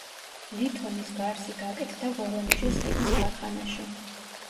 ლითონის გარსი გაკეთდა ვორონეჟის ხიდის ქარხანაში.